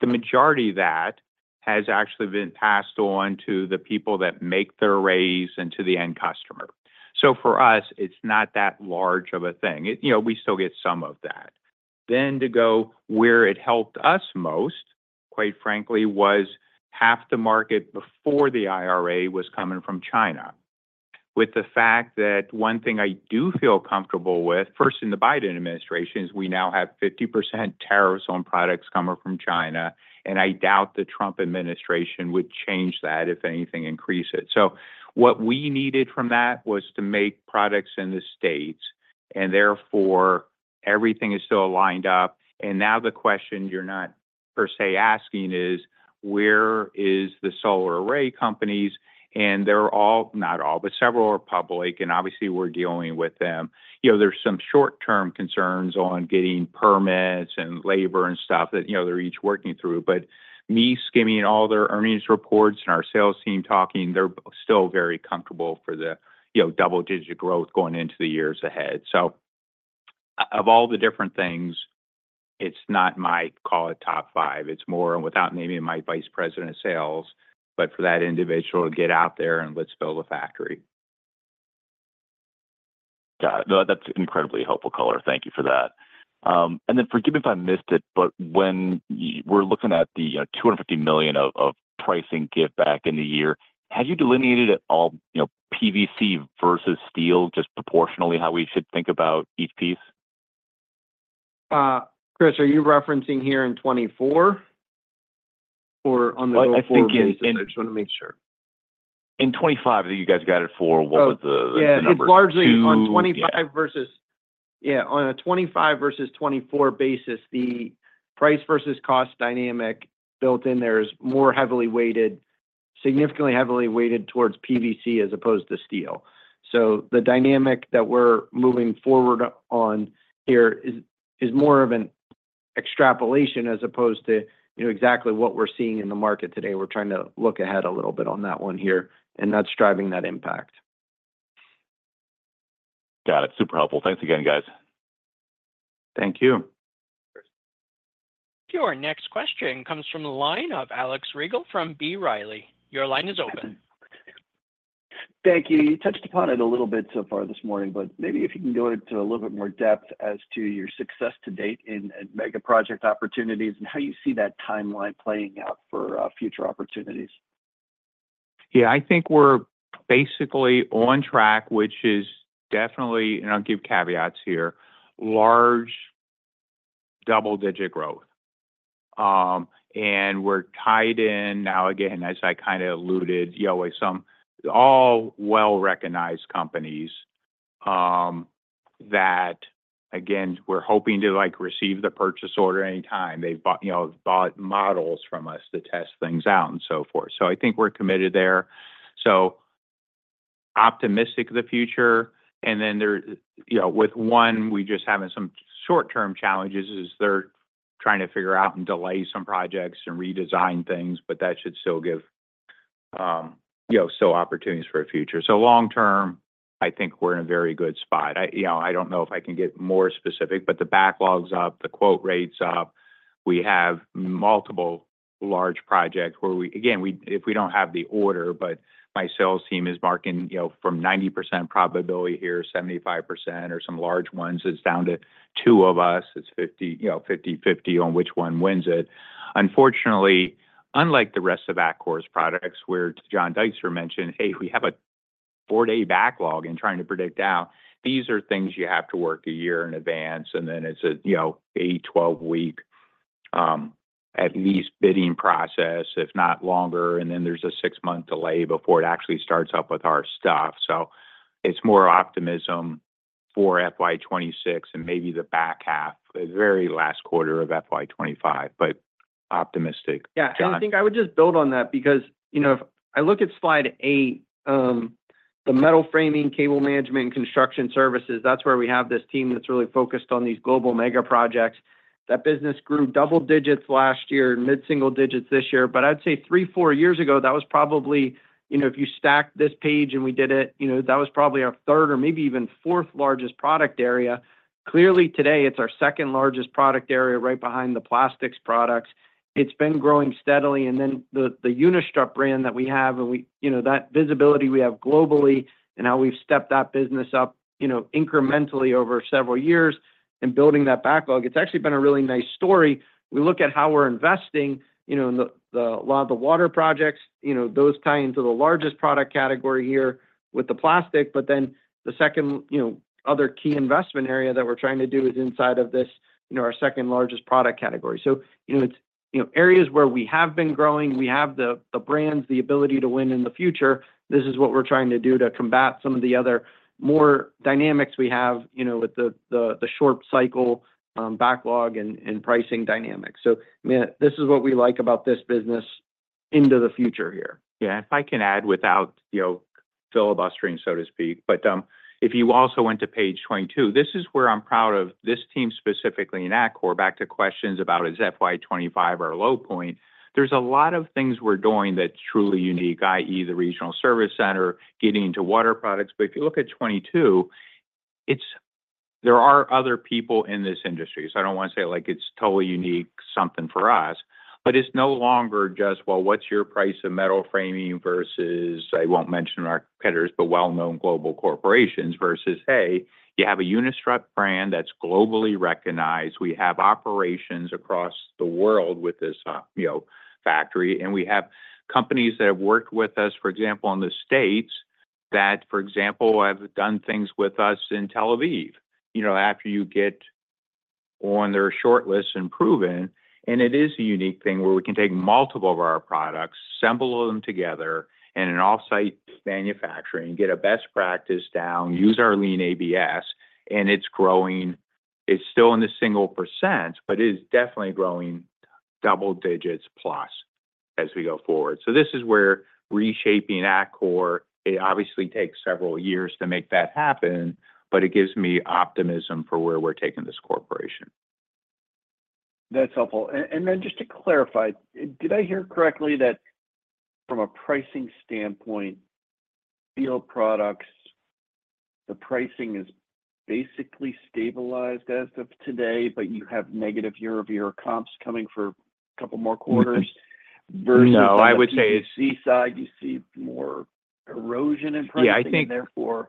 the majority of that has actually been passed on to the people that make the rails and to the end customer. So for us, it's not that large of a thing. We still get some of that. Then to go where it helped us most, quite frankly, was half the market before the IRA was coming from China. With the fact that one thing I do feel comfortable with, first, in the Biden administration, is we now have 50% tariffs on products coming from China. And I doubt the Trump administration would change that, if anything, increase it. So what we needed from that was to make products in the States. And therefore, everything is still lined up. And now the question you're not per se asking is, where is the solar array companies? And they're all, not all, but several are public. And obviously, we're dealing with them. There's some short-term concerns on getting permits and labor and stuff that they're each working through. But me skimming all their earnings reports and our sales team talking, they're still very comfortable for the double-digit growth going into the years ahead. So of all the different things, it's not my call it top five. It's more without naming my vice president of sales. But for that individual to get out there and let's build a factory. Got it. That's incredibly helpful, color. Thank you for that. And then forgive me if I missed it, but when we're looking at the $250 million of pricing give back in the year, have you delineated at all PVC versus steel, just proportionally how we should think about each piece? Chris, are you referencing here in 2024 or on the go forward? I think it is. I just want to make sure. In 2025, I think you guys got it for what was the number? Yeah. It's largely on 2025 versus yeah, on a 2025 versus 2024 basis, the price versus cost dynamic built in there is more heavily weighted, significantly heavily weighted towards PVC as opposed to steel. So the dynamic that we're moving forward on here is more of an extrapolation as opposed to exactly what we're seeing in the market today. We're trying to look ahead a little bit on that one here, and that's driving that impact. Got it. Super helpful. Thanks again, guys. Thank you. Your next question comes from a line of Alex Rygiel from B. Riley. Your line is open. Thank you. You touched upon it a little bit so far this morning, but maybe if you can go into a little bit more depth as to your success to date in mega project opportunities and how you see that timeline playing out for future opportunities. Yeah. I think we're basically on track, which is definitely, and I'll give caveats here, large double-digit growth. And we're tied in now, again, as I kind of alluded, with some of the well-recognized companies that, again, we're hoping to receive the purchase order anytime. They've bought models from us to test things out and so forth. So I think we're committed there. So optimistic of the future. And then with one, we just have some short-term challenges as they're trying to figure out and delay some projects and redesign things, but that should still give opportunities for a future. Long-term, I think we're in a very good spot. I don't know if I can get more specific, but the backlog's up, the quote rate's up. We have multiple large projects where we, again, if we don't have the order, but my sales team is marking from 90% probability here, 75%, or some large ones. It's down to two of us. It's 50/50 on which one wins it. Unfortunately, unlike the rest of Atkore's products, where John Deitzer mentioned, "Hey, we have a four-day backlog in trying to predict out," these are things you have to work a year in advance. And then it's an eight- to 12-week, at least bidding process, if not longer. And then there's a six-month delay before it actually starts up with our stuff. So it's more optimism for FY 26 and maybe the back half, the very last quarter of FY 25, but optimistic. Yeah. And I think I would just build on that because if I look at slide 8, the metal framing, cable management, and construction services, that's where we have this team that's really focused on these global mega projects. That business grew double digits last year, mid-single digits this year. But I'd say three or four years ago, that was probably if you stack this page and we did it, that was probably our third or maybe even fourth largest product area. Clearly, today, it's our second-largest product area right behind the plastics products. It's been growing steadily. And then the Unistrut brand that we have and that visibility we have globally and how we've stepped that business up incrementally over several years and building that backlog, it's actually been a really nice story. We look at how we're investing in a lot of the water projects. Those tie into the largest product category here with the plastic. But then the second other key investment area that we're trying to do is inside of our second largest product category. So it's areas where we have been growing. We have the brands, the ability to win in the future. This is what we're trying to do to combat some of the other more dynamics we have with the short cycle backlog and pricing dynamics. So this is what we like about this business into the future here. Yeah. If I can add without filibustering, so to speak, but if you also went to page 22, this is where I'm proud of this team specifically in Atkore. Back to questions about, is FY 25 our low point. There's a lot of things we're doing that's truly unique, i.e., the regional service center, getting into water products. But if you look at 22, there are other people in this industry. So I don't want to say it's totally unique something for us, but it's no longer just, "Well, what's your price of metal framing versus," I won't mention our competitors, but well-known global corporations versus, "Hey, you have a Unistrut brand that's globally recognized. We have operations across the world with this factory. And we have companies that have worked with us, for example, in the States that, for example, have done things with us in Tel Aviv after you get on their shortlist and proven. And it is a unique thing where we can take multiple of our products, assemble them together in an off-site manufacturing, get a best practice down, use our lean ABS, and it's growing. It's still in the single percent, but it is definitely growing double digits plus as we go forward. So this is where reshaping Atkore, it obviously takes several years to make that happen, but it gives me optimism for where we're taking this corporation. That's helpful. And then just to clarify, did I hear correctly that from a pricing standpoint, field products, the pricing is basically stabilized as of today, but you have negative year-over-year comps coming for a couple more quarters versus the C-side? No, I would say it's more erosion in pricing and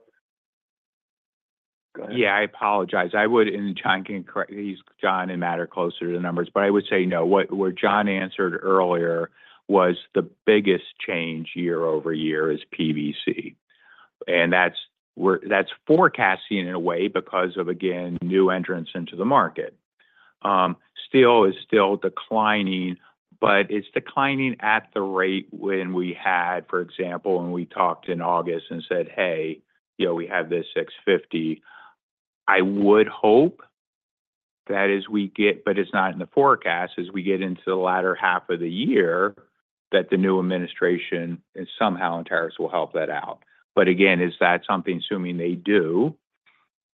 therefore go ahead. Yeah. I apologize. I would, and John can correct me, John and Matt are closer to the numbers, but I would say no. What John answered earlier was the biggest change year over year is PVC. And that's forecasting in a way because of, again, new entrants into the market. Steel is still declining, but it's declining at the rate when we had, for example, when we talked in August and said, "Hey, we have this $650." I would hope that as we get, but it's not in the forecast, as we get into the latter half of the year, that the new administration and somehow in tariffs will help that out. But again, is that something assuming they do?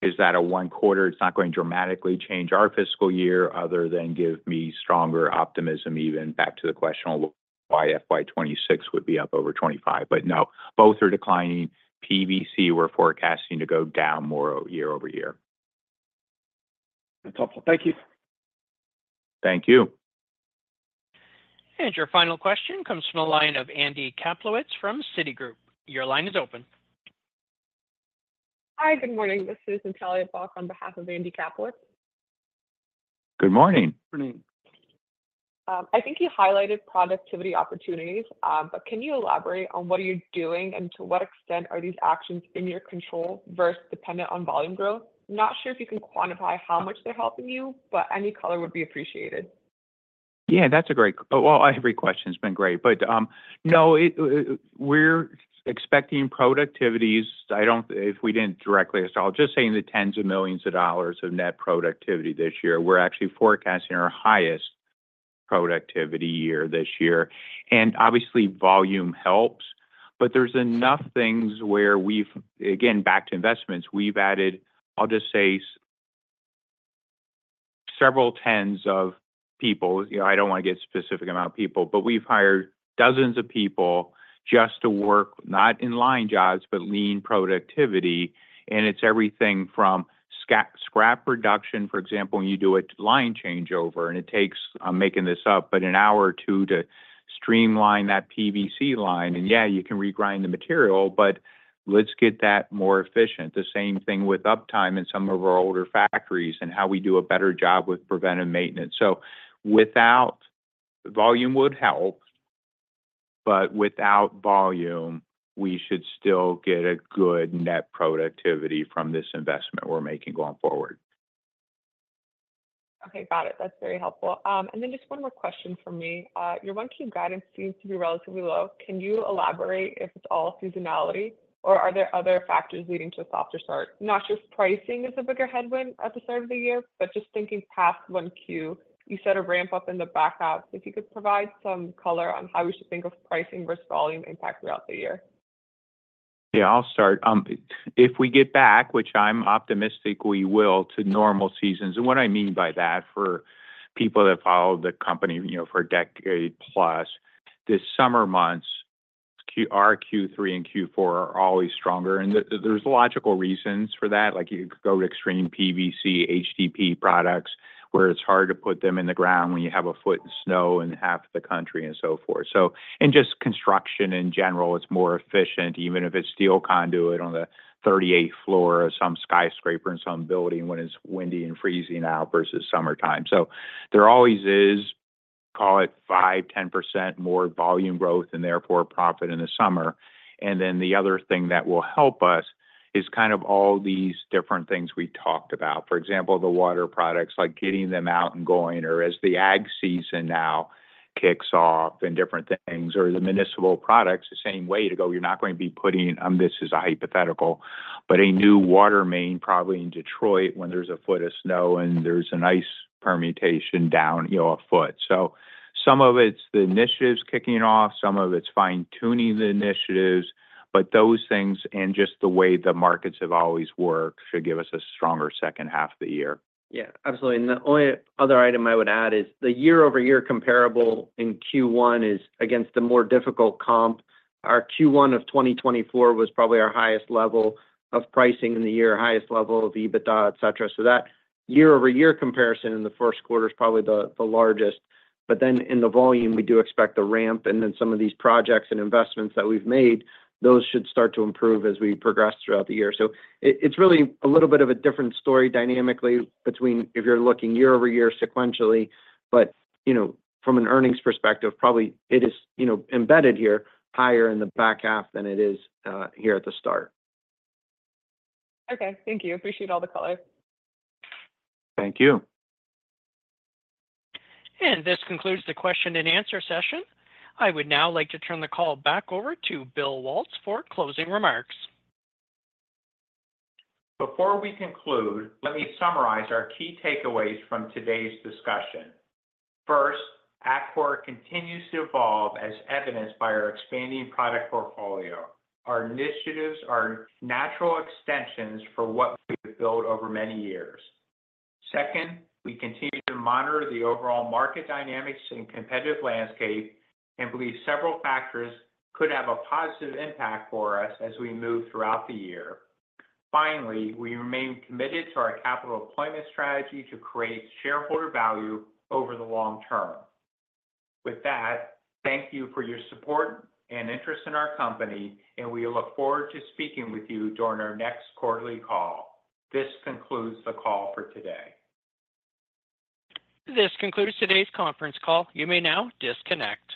Is that a one-quarter? It's not going to dramatically change our fiscal year other than give me stronger optimism, even back to the question of why FY 26 would be up over 25%. But no, both are declining. PVC, we're forecasting to go down more year over year. That's helpful. Thank you. Thank you. And your final question comes from the line of Andy Kaplowitz from Citigroup. Your line is open. Hi. Good morning. This is Natalie Block on behalf of Andy Kaplowitz. Good morning. Good morning. I think you highlighted productivity opportunities, but can you elaborate on what are you doing and to what extent are these actions in your control versus dependent on volume growth? Not sure if you can quantify how much they're helping you, but any color would be appreciated. Yeah. That's a great, well, every question has been great. But no, we're expecting productivities. If we didn't directly ask you, I'll just say in the tens of millions of dollars of net productivity this year. We're actually forecasting our highest productivity year this year. And obviously, volume helps, but there's enough things where we've, again, back to investments, we've added, I'll just say, several tens of people. I don't want to get specific amount of people, but we've hired dozens of people just to work, not in line jobs, but lean productivity. And it's everything from scrap production, for example, when you do a line changeover, and it takes, I'm making this up, but an hour or two to streamline that PVC line. And yeah, you can regrind the material, but let's get that more efficient. The same thing with uptime in some of our older factories and how we do a better job with preventive maintenance. So volume would help, but without volume, we should still get a good net productivity from this investment we're making going forward. Okay. Got it. That's very helpful. And then just one more question for me. Your Q1 guidance seems to be relatively low. Can you elaborate if it's all seasonality or are there other factors leading to a softer start? Not sure if pricing is a bigger headwind at the start of the year, but just thinking past Q1, you said a ramp-up in the back half. If you could provide some color on how we should think of pricing versus volume impact throughout the year. Yeah. I'll start. If we get back, which I'm optimistic we will, to normal seasonality, and what I mean by that, for people that follow the company for a decade plus, the summer months, our Q3 and Q4 are always stronger. And there's logical reasons for that. You could go to, for example, PVC, HDPE products where it's hard to put them in the ground when you have a foot of snow in half of the country and so forth. And just construction in general, it's more efficient, even if it's steel conduit on the 38th floor or some skyscraper in some building when it's windy and freezing out versus summertime. So there always is, call it 5-10% more volume growth and therefore profit in the summer. And then the other thing that will help us is kind of all these different things we talked about. For example, the water products, like getting them out and going, or as the ag season now kicks off and different things, or the municipal products, the same way to go. You're not going to be putting, and this is a hypothetical, but a new water main probably in Detroit when there's a foot of snow and there's an ice penetration down a foot. So some of it's the initiatives kicking off. Some of it's fine-tuning the initiatives. But those things and just the way the markets have always worked should give us a stronger second half of the year. Yeah. Absolutely. And the only other item I would add is the year-over-year comparable in Q1 is against the more difficult comp. Our Q1 of 2024 was probably our highest level of pricing in the year, highest level of EBITDA, etc. So that year-over-year comparison in the first quarter is probably the largest. But then in the volume, we do expect the ramp, and then some of these projects and investments that we've made, those should start to improve as we progress throughout the year. So it's really a little bit of a different story dynamically between if you're looking year-over-year sequentially, but from an earnings perspective, probably it is embedded here higher in the back half than it is here at the start. Okay. Thank you. Appreciate all the color. Thank you. And this concludes the question-and-answer session. I would now like to turn the call back over to Bill Waltz for closing remarks. Before we conclude, let me summarize our key takeaways from today's discussion. First, Atkore continues to evolve as evidenced by our expanding product portfolio. Our initiatives are natural extensions for what we have built over many years. Second, we continue to monitor the overall market dynamics and competitive landscape and believe several factors could have a positive impact for us as we move throughout the year. Finally, we remain committed to our capital allocation strategy to create shareholder value over the long term. With that, thank you for your support and interest in our company, and we look forward to speaking with you during our next quarterly call. This concludes the call for today. This concludes today's conference call. You may now disconnect.